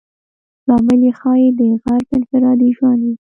لامل یې ښایي د غرب انفرادي ژوند وي.